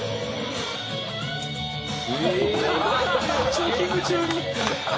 「チョーキング中に」